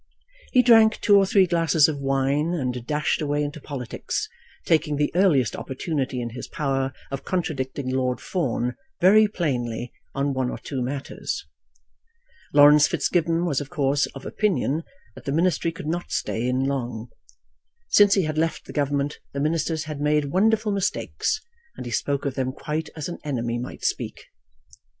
He drank two or three glasses of wine, and dashed away into politics, taking the earliest opportunity in his power of contradicting Lord Fawn very plainly on one or two matters. Laurence Fitzgibbon was of course of opinion that the ministry could not stay in long. Since he had left the Government the ministers had made wonderful mistakes, and he spoke of them quite as an enemy might speak.